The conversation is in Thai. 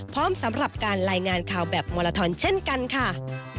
สำหรับการรายงานข่าวแบบมาลาทอนเช่นกันค่ะ